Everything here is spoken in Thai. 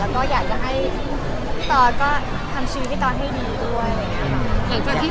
แล้วก็อยากจะให้ตอสก็ทำชีวิตพี่ตอสให้ดีด้วยอะไรอย่างนี้ค่ะ